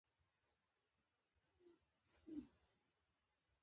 غزني ولايت ګڼ شمېر ولسوالۍ لري.